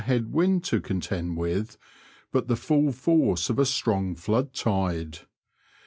43 head wind to contend with, but the fall force of a strong flood tide.